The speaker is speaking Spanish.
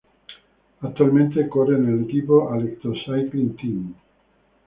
Actualmente corre en el equipo Alecto Cycling Team.